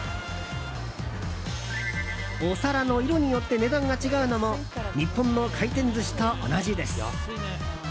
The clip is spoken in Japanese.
お皿の色によって値段が違うのも日本の回転寿司と同じです。